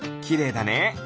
きれいだね！